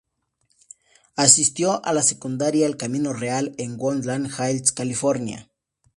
Asistió a la secundaria El Camino Real en Woodland Hills, California.